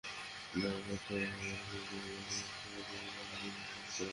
দরপত্র আহ্বানের মাধ্যমে যোগ্য ব্যবস্থাপনা পরামর্শক প্রতিষ্ঠান হিসেবে ইআইএলকে নির্বাচন করা হয়েছে।